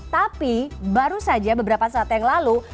tapi baru saja beberapa saat yang lalu